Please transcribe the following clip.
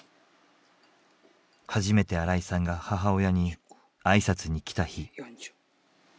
初めて荒井さんが母親に挨拶に来た日。